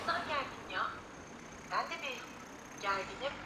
wataalam wana shauri kulima kwenye tambarare